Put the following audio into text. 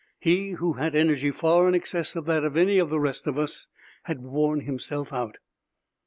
He who had energy far in excess of that of any of the rest of us had worn himself out.